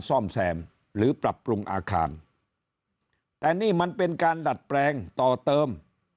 ซ่อมแซมหรือปรับปรุงอาคารแต่นี่มันเป็นการดัดแปลงต่อเติม